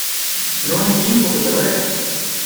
No hay tiempo que perder.